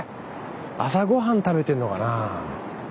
朝御飯食べてんのかな。